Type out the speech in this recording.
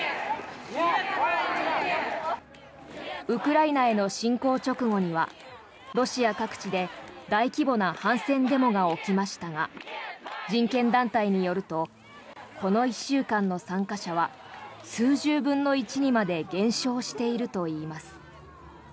ウクライナへの侵攻直後にはロシア各地で大規模な反戦デモが起きましたが人権団体によるとこの１週間の参加者は数十分の１にまで減少しているといいます。